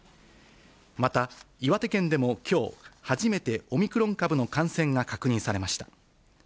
また岩手県でもきょう、初めてオミクロン株の感染が確認されました。